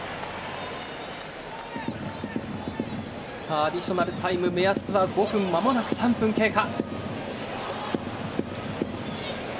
アディショナルタイム目安は５分まもなく３分経過。